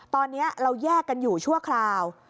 ตอนนี้เราแยกกันอยู่ชั่วคราว